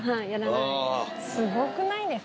すごくないです？